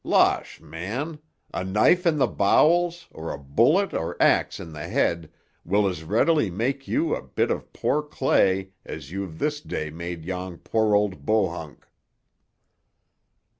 Losh, man! A knife in the bowels, or a bullet or ax in the head will as readily make you a bit of poor clay as you've this day made yon poor old Bohunk."